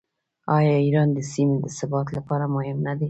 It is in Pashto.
آیا ایران د سیمې د ثبات لپاره مهم نه دی؟